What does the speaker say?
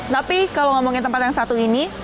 tapi kalau ngomongin tempat yang satu ini